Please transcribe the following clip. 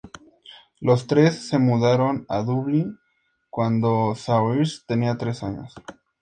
Los tres se mudaron a Dublín cuando Saoirse tenía tres años.